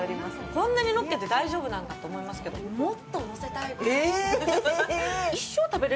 こんなにのっけて大丈夫なの？って思いますけど、もっとのっけたいぐらい。